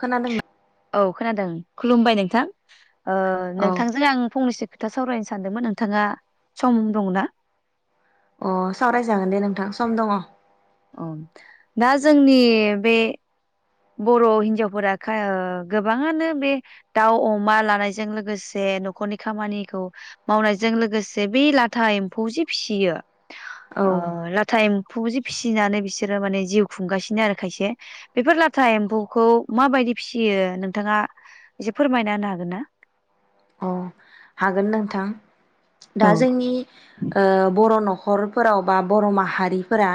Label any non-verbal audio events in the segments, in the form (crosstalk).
खोनादों ना? औ खोनादों खुलुमबाय नोंथां। ओ औ नोंथांजों आं फंनैसो खोथा सावरायनो सानदोंमोन नोंथाङा सम दंना? अ सावरायजागोन दे नोंथां सम दङ। अ दा जोंनि बे बर' हिनजावफोरा गोबाङानो बे दाउ अमा लानायजों लोगोसे न'खरनि खामानिखौ मावनायजों लोगोसे बे लाथा एम्फौ जे फिसियो अ लाथा एम फौ जे फिसिनानै बिसोरो माने जिउ खुंगासिनो आरो खायसे बेफोर ला था एम्फौखौ माबायदि फिसियो नोंथाङा एसे फोरमायना होनो हागोन ना? अ हागोन नोंथां। औ दा जोंनि बर' न'खर खरफोराव बा बर' माहारिफोरा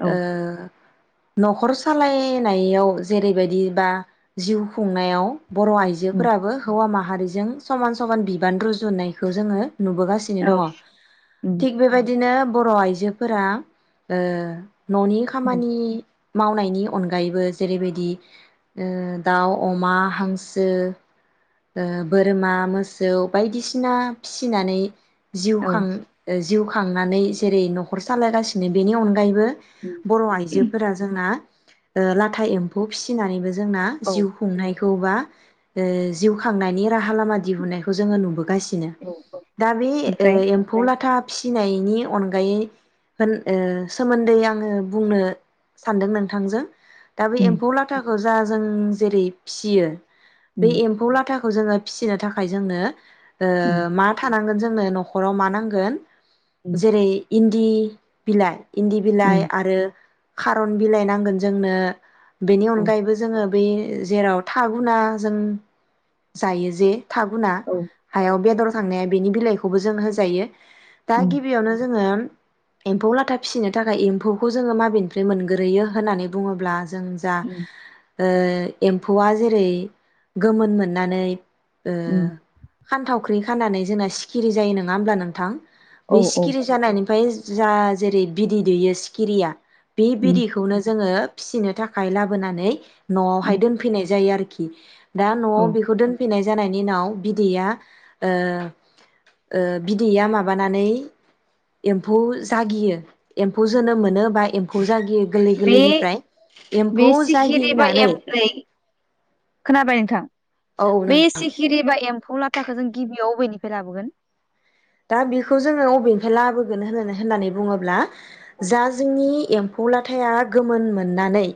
औ ओ न'खर सालायनायाव जेरैबायदि बा जिउ खुंनायाव बर' उम, आइजोफोराबो हौवा माहा माहारिजों समान समान बि बिबान रुजुनायखौ जोङो नुबोगासिनो औ दङ उम थिग बेबायदिनो बर' आइजोफोरा ओ न'नि औ खामानि मावनायनि अनगायैबो जेरैबायदि दाउ अमा हांसो बोरमा मोसौ बायदिसिना फिसिनानै जिउ खां जिउ खांनानै जेरै न'खर सालायगासिनो बेनि अनगायैबो बर' आइजोफोरा जोंना लाथा एम्फौ फिसिनानैबो जोंना औ ओमफ्राय औ जिउ खुंनाय खौबा ओ जिउ खांनायनि राहा लामा दिहुननायखौ जोङो नुबोगासिनो नों दा बे एम्फौ लाथा फिनायनि अनगायै होन सोमोन्दै आङो बुंनो सानदों नोंथांजों दा बे औ एम्फौ लाथाखौ जा जों जेरै फियो, बे एम खोथाखौ जोङो फिसिनो थाखाय जोंनो, ओ मा थानांगोन जों, नो न'खराव मा नांगोन, जेरै इन इ बिलाइ, इन्दि बिलाइ आरो खारन बिलाइ नांगोन जोंनो, बेनि अनगायैबो जोङो, बे जेराव थागुना जों, जायो जे थागुना हायाव बेदर, थांनाया बेनि बिलाइखौबो जों होजायो। दा गिबियावनो जोङो। एम्फौ लाथा फिसिनो थाखाय एम्फौखौ जोङो माबेनिफ्राय मोनग्रोयो होननानै बुङोब्ला, जों जा ओ एम्फौआ जेरै गोमोन, मोननानै ओ खानथावख्रि खाननानै जोंना सिखिरि जायो नङा होमब्ला नोंथां? बे औ सिखिरि जानायनिफ्राय, जा जेरै बिदै दैयो सिखिरिया, बे बिदैखौनो जोङो, फिसिनो थाखाय लाबोनानै, न'आवहाय दोनफैनाय जायो आरो खि दा न'आव औ बे दोनफैनाय जानायनि उनाव बिदैया ओ ओ बिदैया माबानानै एम्फौ जागियो एम्फौ जोनोम मोनो बा एम्फौ जागियो। गोरलै बे गोरलैनिफ्राय एम्फौ बे सिखिरि बा जागिनानै, एम नै खोनाबाय नोंथां, औ बे नों सिखिरि बा एम एमफौ लाथाखौ जों गिबियाव बबेनिफ्राय लाबोगोन? दा बेखौ जोङो अबेनिफ्राय लाबोगोन होननानै होननानै बुङोब्ला। औ जा जोंनि। एम्फौ लाथाया गोमोन मोननानै।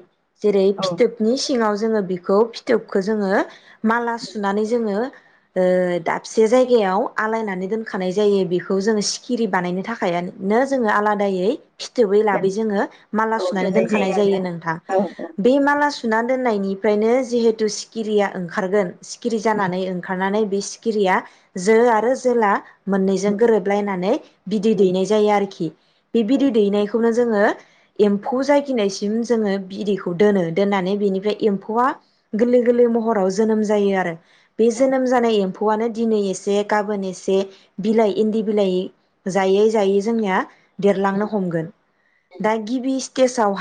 जेरै औ फिथोबनि सिङाव। जोङो बेखौ फिथोबखो जोङो। माला सुनानै जोङो। ओ दाबसे जायगायाव आलायनानै दोन। होखानाय जायो बेखौ जोङो सिखिरि बानायनो थाखायनो जोङो आलादायै। फिथोबै दोन लाबोै जोङो माला औ सुनानै दोननाय दोनखानाय जायो आरोना नोंथां औ औ बे माला सु सुना दोननायनिफ्रायनो जिहेथु सिखिरिया ओंखारगोन। सिखिरि उम, जानानै ओंखारनानै बे सिखिरिया जो आरो जेला मोननैजों उम, गोरोबलायनानै बिदै उम, दैनाय जायो आरोखि बे औ बिदै दैनायखौनो जोङो एम्फौ जायगिनायसिम जोङो बिदैखौ दोनो दोननानै बेनिफ्राय एम्फौआ गोरलै गोरलै महराव जोनोम जायो आरो। बे औ उम, जोनोम जानाय एम्फौ (unintelligible) आनो दिनै एसे गाबोन एसे बिलाइ इन्दि बिलाइ जायै जायै जोंनिया। देरलांनो हमगोन उम. दा गिबि। केसआव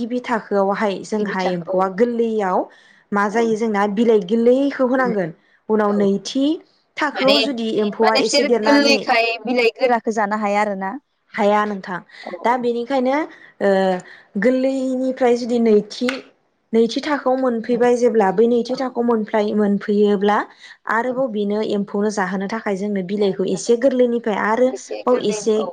गिबि थाखो। हाइ गिबि जोंहा थाखो एम्फौआ गोरलैयाव मा औ जायो जोंना बिलाइ गोरलैखौ बिलाइ- होनांगोन औ उनावै माने थाखोआव ज एमौ माने बिसोर गोरलैखाय बिलाइ गोरखौ जानो हाया आरो ना। हाया नोंथां दा ओ बेनिखायनो गोरलैनिफ्राय जुदि नैतिक थाखो आव। खौ मोनफैबाय जेब्ला बै औ नैथि थाखो मोनफ्राय मोन। फैयोब्ला। औ आरोबाव बेनो। बेखौनो जाहोनो थाखाय जों। जानो एसे थाखाय गोरलैनिफ्राय आरो एसे बाव गोरलै एसे औ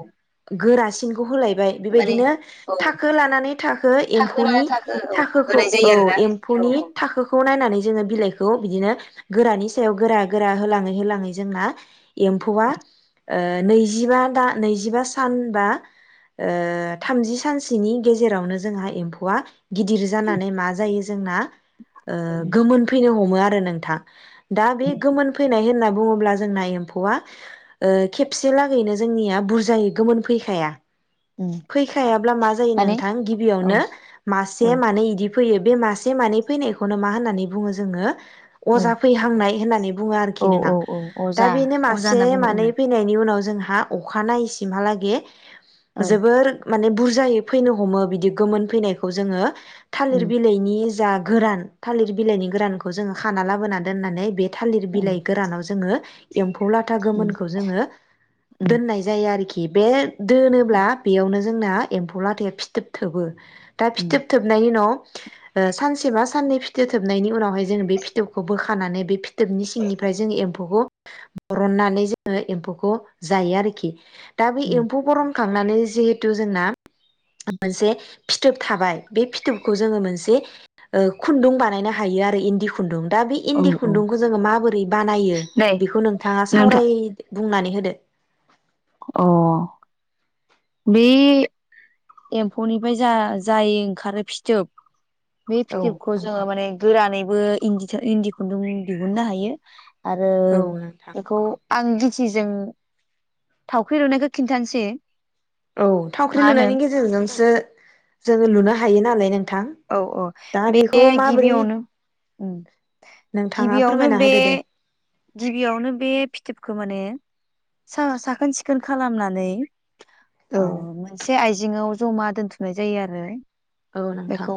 गोरासिनखौ होलायबाय माने बेबायदिनो औ थाखो लानानै थाखो थाखो एमफौनि लाना थाखो औ थाखोखौ होनाय औ जायो आरोना औ एम्फौनि औ थाखोखौ नायनानै। जोड़ों बिलाइखौ बिदिनो गोरानि सायाव गोरा गोरा होलांयै होलांयै जोना एमफौ। फौवा। ओ नैजिबा दा नैजिबा सान बा थामजि सानसोनि गेजेरावनो जोंहा एम्फौआ गिदिर जानानै मा जायो जोंना ओ गोमोनफैनो हमो आरो। आरो नोंथां। दा बे गोमोन फैनाय होननानै। बुङोब्ला जोंना एम्फौआ। ओ खेबसे लागैनो जोंनिया बुरजायै गोमोन फैखाया उम फैखायाब्ला मा जायो माने नोंथां औ गिबियावनो मासे औ मानै इदि फैयो बे मासे मानै फैनायखौनो मा होननानै बुङो जोङो औ अजा फैहांनाय होननानै। बुङो औ आरोखि नों औ आं औ दा अजा बेनो अजा मासे होनना बुङो उम मानै फैनायनि उनाव जोंहा अखानायहैयसिम हालागै औ जोबोर। माने बुरजायै फैनो हमो बिदि गोमोन फैनायखौ जोङो। थालिर उम बिलाइनि जा गोरान थालिर बिलाइनि गोरानखौ जोङो खाना लाबोना दोननानै बे थालिर उम बिलाइ गोरानाव जोङो। एम्फौ ला उम गोमोनखौ जोङो उम दोननाय जायो आरोखि। बे दोनोब्ला बेयावनो। जोंना एम्फौ लाथाया फिथोब थोबो। दा उम फिथोब थोबनायनि उनाव। सानसेबा साननै फिथोब थोबनायनि उनावहाय जोङो बे फिथोबखौ बोखानानै बे फिथोबनि सिंनिफ्राय जोङो एम्फौखौ बरननानै जोङो एम्फौखौ जायो आरोखि। दा बे उम एम्फौ गरम खांनानै जिहेथु जोंना मोनसे। फिथोब थाबाय बे फिथोबखौ जोङो मोनसे खुन्दुं बानायनो हायो आरो इन्दि खुन्दुं। दा बे औ इन्दि औ खुन्दुंखौ जोङो माबोरै बानायो नै बेखौ नों नोंथाङा नोंथां सावराय बुंनानै होदो। अ बे एम्फौनिफ्राय जा जाय ओंखारो फिथोब बे औ फिथोबखौ जोङो नोंथां माने गोरानैबो इन्दि इन्दि खुन्दुं दिहुननो हायो। आरो औ नोंथां बेखौ आं खासिजों थावख्रि रुनायखौ खिन्थानोसै औ मा थावख्रि होनो लुनायनि गेजेरजोंसो जोङो लुनो हायो नालाय। नोंथां औ औ दा बे बेखौ माबोरै गिबियावनो नोंथाङा गिबियावनो फोरमायना बे होदो दे गिबियावनो बे फिथोबखौ माने साखोन सिखोन खालामनानै औ मोनसे आइजो जेङाव जमा दोनथुमनाय जायो आरो। औ नोंथां बेखौ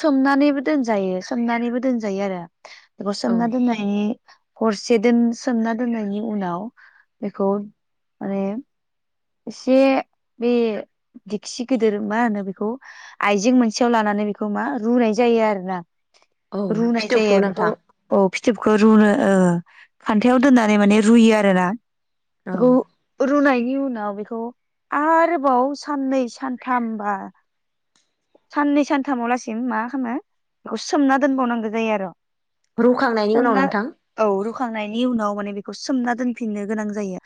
सोमनानैबो दोनजायो सोमनानैबो दोनजायो आरो। बेखौ औ सोमना दोननायनि हरसे दोन सोमना दोननायनि उनाव बेखौ माने एसे बे दिखसि गिदिर मा होनो बेखौ आइजें मोनसेयाव लानानै बेखौ मा रुनाय जायो आरो ना। औ रुनाय फिथोबखौ जायो बेखौ नोंथां फिथोबखौ रुनो खान्थायाव दोननानै माने रुयो आरो ना। औ रुनाय नि उनाव बेखौ आरोबाव साननै सानथामबा साननै सानथामावलासिम मा खालामो बेखौ सोमना दोनबावनांगौ जायो आरो। रुखांनायनि उनाव सोमना नोंथां औ रुखांनायनि उनाव माने बेखौ सोमना दोनफिननो गोनां जायो।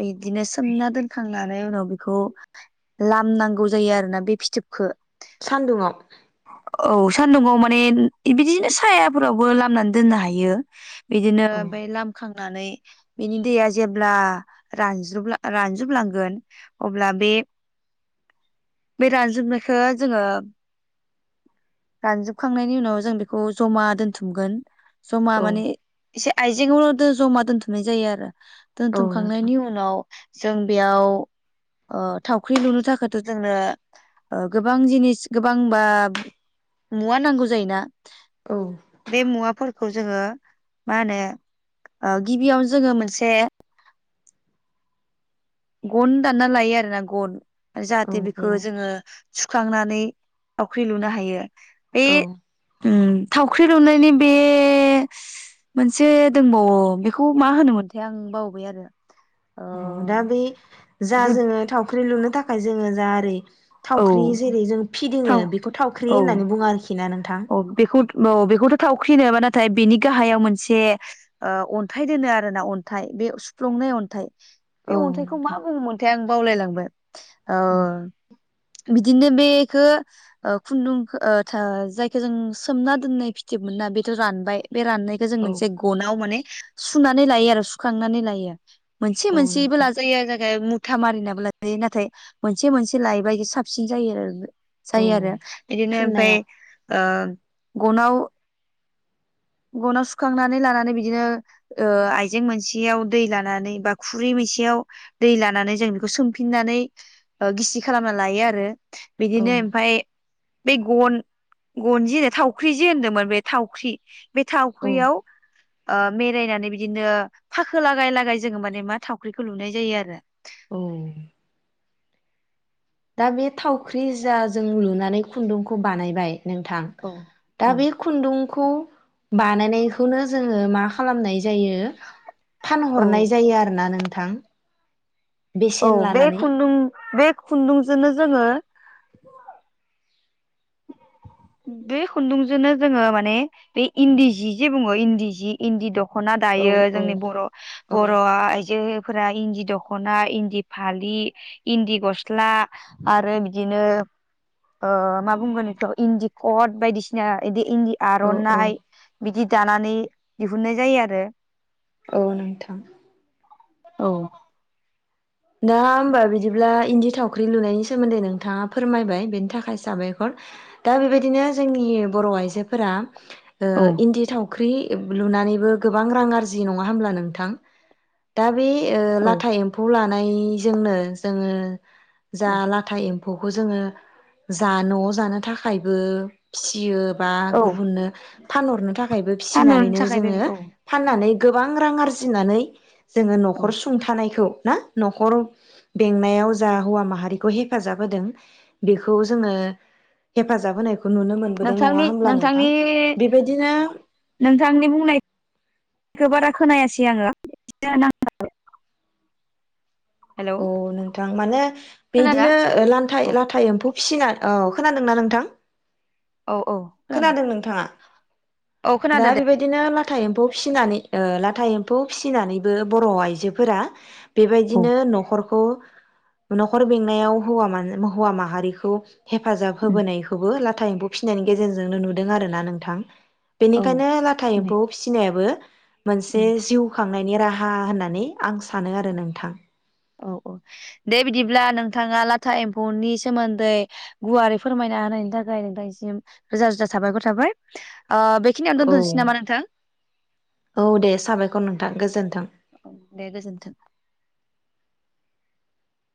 बिदिनो सोमना दोनखां लानानै उनाव बेखौ लामनांगौ जायो आरोना बे फिथोबखौ सान्दुङाव। औ सान्दुंङाव माने बिदिनो सायाफोरावबो लामनानै दोननो हायो। बिदिनो औ ओमफ्राय लामखां बिनि दैया जेब्ला रानजोबलांगोन अब्ला बे बे रानजोबनायखौ जोङो रानजोबखांनायनि उनाव जों बेखौ जमा दोनथुमगोन। जमा औ माने एसे आइजेंआव जमा दोनथुमनाय जायो आरो। औ नोंथां दोनथुमखांनायनि उनाव जों बेयाव थावख्रि लुनो थाखायथ' जोंनो गोबां गोबां जिनिस गोबांबा मुवा नांगौ जायोना। औ बे मुवाफोरखौ खौ जोङो मा होनो गिबियावनो जोङो मोनसे गन दानना लायो आरोना गन आरो औ जाहाथे बेखौ औ जोङो सुखांनानै थावख्रि लुनो हायो। बे औ उम। थावख्रि लुनायनि बे मोनसे दंबावो बेखौ मा होनोमोनथाय आं बावबाय आरो ओ औ दा बे जा गुद जोङो थावख्रि लुनो नि थाखाय जोङो जा ओरै औ थावख्रि जेरै जों फिदिङो बेखौ थावख्रि होननानै बुङो आरोखि ना नों अ बेखौ बेखौथ' थाव ख्रिनोबा नाथाय बेनि गाहायाव मोनसे ओ अन्थाइ दोनो आरो ना अन्थाइ बे सुफ्लंनाय अन्थाइ बे औ अन्थाइखौ मा नोंथां बुङो मोनथाय आं बावलायलांबाय औ बिदिनो बेखो खुन्दुं जाय खो जों सोमना दोननाय फिथोब मोनना बेथ' रानबाय बे राननायखौ जों औ मोनसे गनाव माने सुनानै लायो आरो सुखांनानै लायो मोनसे औ मोनसेबो नोंथां लाजायो आरो जाय मुथा मारिनाबो लाजायो नाथाय मोनसे मोनसे लायोबा बे साबसिन जायो आरो औ जायो आरो एदिनो ओमफ्राय थुननायाव ओ गनाव गनाव सुखांनानै लानानै बिदिनो ओ आइजें मोनसेयाव दै लानानै बा खुरै मोनसेयाव दै लानानै जों बेखौ सोमफिननानै गिसि खालामना लायो आरो। औ बिदिनो एमफाय बे गन गन जि होनो थावख्रि जे होनदोंमोन बे थावख्रि बे औ थावख्रियाव ओ मेरायनानै बिदिनो फाखो लागाय लागाय जोङो माने मा थावख्रिखौ लुनाय जायो आरो। औ दा बे थावख्रि जा जों लुनानै खुन्दुंखौ बानायबाय नोंथां औ दा उम बे खुन्दुं खौ बानायनायखौनो जोङो मा खालामनाय जायो औ फानहरनाय जायो आरोना नोंथां। औ बेसेन बे लानानै खुन्दुं बे खुन्दुंजोंनो जोङो बे खुन्दुंजोंनो जोङो माने बे इन्दि जि जे बुङो इन्दि जि इन्दि दख ख'ना औ दायो औ जोंनि बर' औ बर' आइजोफोरा इन्दि दख'ना इन्दि फालि इन्दि गस्ला आरो बिदिनो ओ मा बुंगोनथ' इन्दि कट बायदिसिना इदि इन्दि औ औ आर'नाइ बिदि दानानै दिहुननाय जायो आरो औ नोंथां। औ दा हमबा बिदिब्ला इन्दि थावख्रि लुनायनि सोमोन्दै नोंथाङा फोरमायबाय बेनि थाखाय साबायखर दा बेबायदिनो जोंनि बर' आइजोफोरा ओ औ इन्दि थाव थावख्रि लुनानैबो गोबां रां आरजियो नङा होमब्ला नोंथां दा बे औ लाथा एम्फौ ला थानायजोंनो जोङो जा औ लाथा एमफ फौखौ जोंङो जा न'आव जानो थाखायबो फिसियो बा औ गुबुननो फानहरनो था खायबो फानहरनो फिसिनानैनो थाखाय बे जोंङो औ फाननानै गोबां रां आरजिनानै जोंङो न'खर औ सुंथानायखौ ना न'खर बेंनायाव जा हौवा माहारिखौ हेफाजाब होदों बेखौ जोंङो हेफाजाब होनाय नोंथांनि नोंथांनि बेबायदिनो नोंथांनि बुंनाय खो बारा खोनायासै आंङो (unintelligible) औ नोंथां माने खोनादों बिदिनो लान्थाय लाथा एम्फौ फिसिनान औ खोनादोंना नोंथां? औ औ खोनादों नोंथांङा औ दा खोनादों दे बेबायदिनो ला था एम्फौ फिसिनानै उह लाथा एम्फौ फिसिनानैबो बर' आइजोफोरा औ बेबायदिनो न'खरखौ न'खर बेंनायाव हौवा मा-हौवा माहारिखौ हेफाजाब उम होबोनायखौबो ला लाथा एम्फौ फिसिनानै गेजेरजोंनो नुदों आरो ना नोंथां। औ बेनिखायनो लाथा दे एम्फौ फिसिनायाबो मोनसे उम जिउ खां नायनि राहा होननानै आं सानो आरो नोंथां। औ दे बिदिब्ला नोंथांङा लाथा एम्फौनि सोमोन्दै गुवारै फोरमायना होनायनि थाखाय नोंथांसिम रोजा रोजा थाबायखर थाबाय। उह बेखिनियाव औ दोनथ'नोसै नामा नोंथां? औ दे साबायखर नोंथां गोजोन्थों। औ दे गोजोन्थों